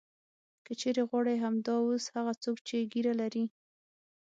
که چېرې غواړې همدا اوس هغه څوک چې ږیره لري.